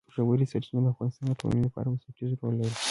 ژورې سرچینې د افغانستان د ټولنې لپاره بنسټيز رول لري.